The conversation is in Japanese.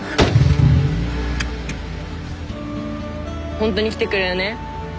本当に来てくれるね？